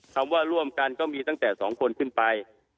คำว่าร่วมกันก็มีตั้งแต่๒คนขึ้นไป